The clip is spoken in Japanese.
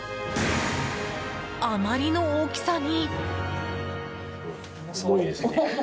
あまりの大きさに。